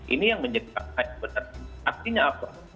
ini yang menjadi benar benar artinya apa